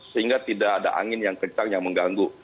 sehingga tidak ada angin yang kencang yang mengganggu